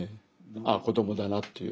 あっ子どもだなっていう。